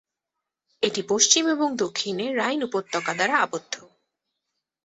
এটি পশ্চিম এবং দক্ষিণে রাইন উপত্যকা দ্বারা আবদ্ধ।